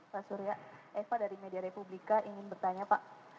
pak surya eva dari media republika ingin bertanya pak